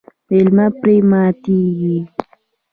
میلمه پرې ماتیږي.